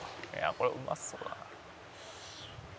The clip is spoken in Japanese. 「これうまそうだな」